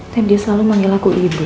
dan dia selalu manggil aku ibu